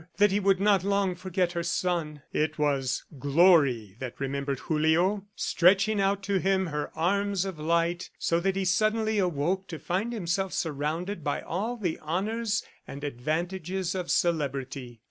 That he would not long forget her son! ... It was Glory that remembered Julio, stretching out to him her arms of light, so that he suddenly awoke to find himself surrounded by all the honors and advantages of celebrity.